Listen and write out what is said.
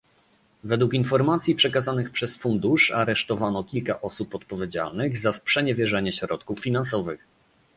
Według informacji przekazanych przez Fundusz aresztowano kilka osób odpowiedzialnych za sprzeniewierzenie środków finansowych